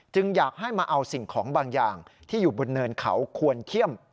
อยากให้มาเอาสิ่งของบางอย่างที่อยู่บนเนินเขาควรเขี้ยม